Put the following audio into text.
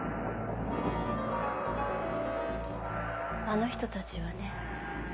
あの人たちはね